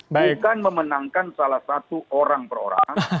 bukan memenangkan salah satu orang per orang